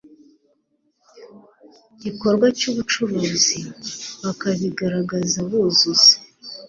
gikorwa cy ubucuruzi bakabigaragaza buzuza